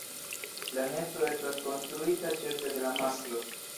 La nesto estas konstruita ĉefe de la masklo.